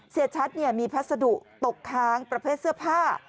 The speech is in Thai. เสียชัดมีพัสดุตกค้างประเภทเสื้อผ้า